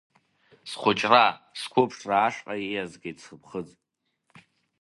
Схәыҷра, сқәыԥшра ашҟа ииазгеит сыԥхыӡ.